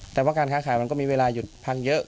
แต่ว่าการค้าขายมันก็มีเวลาหยุดพังเยอะ